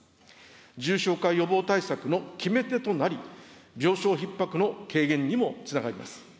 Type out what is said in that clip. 重症化予防対策の決め手となり、病床ひっ迫の軽減にもつながります。